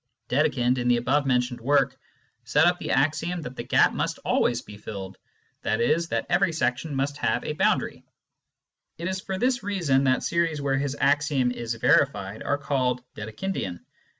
Dedekind, in the above mentioned work, set up the axiom that the gap must always be filled, i.e. that every section must have a boundary. It is for this reason that series where his axiom is verified are called " Dedekindian."